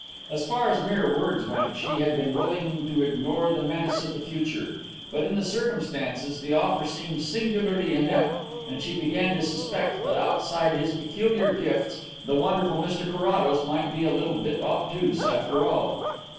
As far as mere words went she had been willing to ignore the menace of the future, but in the circumstances the offer seemed singularly inept and she began to suspect that outside his peculiar gifts the wonderful Mr Carrados might be a little bit obtuse after all.